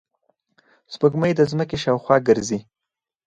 سپوږمۍ د ځمکې شاوخوا ګرځي